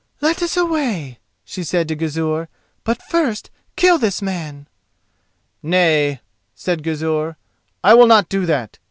"Let us away," she said to Gizur. "But first kill this man." "Nay," said Gizur, "I will not do that.